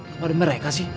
gak ada mereka sih